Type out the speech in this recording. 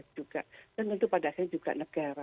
juga dan tentu pada saya juga negara